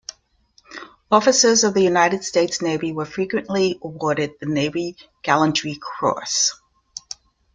Officers of the United States Navy were frequently awarded the Navy Gallantry Cross.